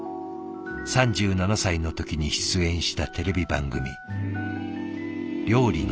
３７歳の時に出演したテレビ番組「料理の鉄人」。